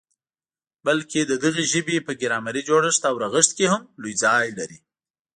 بلکي د دغي ژبي په ګرامري جوړښت او رغښت کي هم لوی ځای لري.